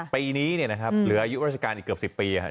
ปีนี้เหลืออายุราชการอีกเกือบ๑๐ปี๗๘ปี